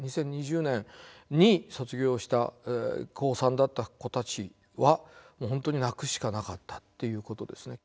２０２０年に卒業した高３だった子たちはもう本当に泣くしかなかったっていうことですね。